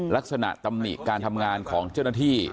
ตำหนิการทำงานของเจ้าหน้าที่